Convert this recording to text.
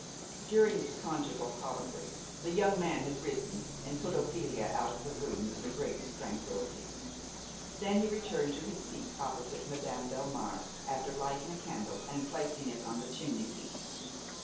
During this conjugal colloquy the young man had risen and put Ophelia out of the room with the greatest tranquillity; then he returned to his seat opposite Madame Delmare after lighting a candle and placing it on the chimney piece.